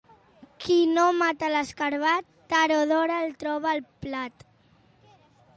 Qui no mata l'escarabat, tard o d'hora el troba al plat.